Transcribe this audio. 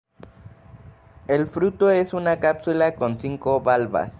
El fruto es una cápsula con cinco valvas.